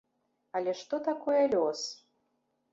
Але што такое лёс?